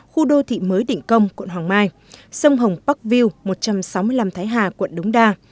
khu đô thị mới định công quận hoàng mai sông hồng park vie một trăm sáu mươi năm thái hà quận đống đa